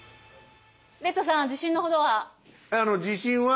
レッドさんは自信のほどは？